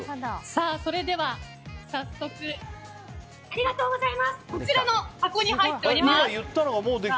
それでは早速こちらの箱に入っています。